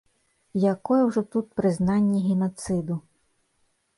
Якое ўжо тут прызнанне генацыду?!